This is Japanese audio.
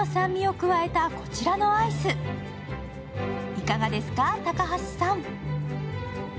いかがですか、高橋さん？